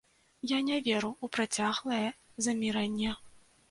Я не веру ў працяглае замірэнне.